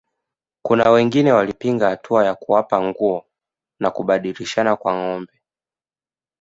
Kuna wengine walipinga hatua ya kuwapa nguo na kubadilishana kwa ngombe